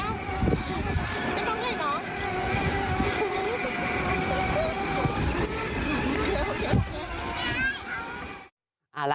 เอาได้